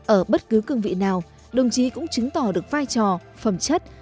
ở bất cứ cương vị nào đồng chí cũng chứng tỏ được vai trò phẩm chất